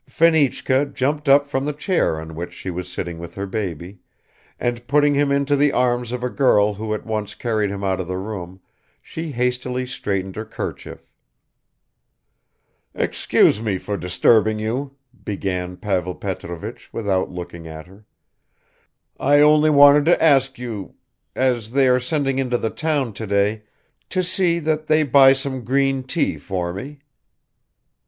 Fenichka jumped up from the chair on which she was sitting with her baby, and putting him into the arms of a girl who at once carried him out of the room, she hastily straightened her kerchief. "Excuse me for disturbing you," began Pavel Petrovich without looking at her; "I only wanted to ask you ... as they are sending into the town today ... to see that they buy some green tea for me."